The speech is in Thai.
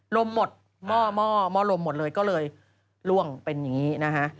ลมหมดหม้อลมหมดเลยก็เลยล่วงเป็นอย่างนี้นะฮะ